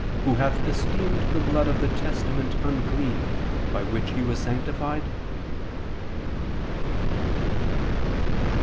who hath esteemed the blood of the testament unclean, by which he was sanctified?"